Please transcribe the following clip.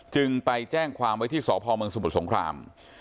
จึงไปแจ้งความไว้ที่สพเมืองสมุทรสงคราม